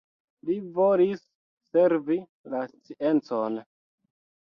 Li volis servi la sciencon.